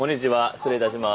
失礼いたします。